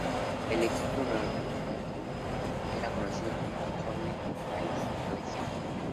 El equipo reorganizado era conocido como Horlick-Racine Legion.